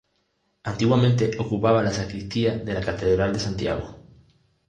Antiguamente ocupaba la Sacristía de la catedral de Santiago.